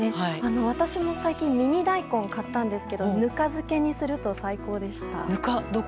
私も最近ミニ大根を買ったんですけどぬか漬けにすると最高でした。